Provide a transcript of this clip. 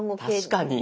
確かに！